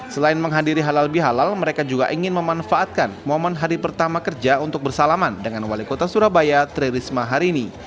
selain menghadiri halal bihalal mereka juga ingin memanfaatkan momen hari pertama kerja untuk bersalaman dengan wali kota surabaya tri risma hari ini